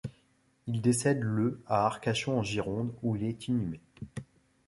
Il décède le à Arcachon en Gironde où il est inhumé.